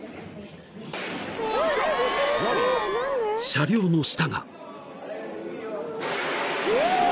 ［車両の下が］